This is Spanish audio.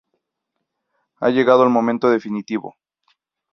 Ha llegado el momento definitivo.